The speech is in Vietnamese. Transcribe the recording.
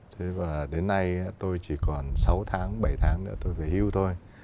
thế và đến nay tôi chỉ còn sáu tháng bảy tháng nữa tôi về hưu thôi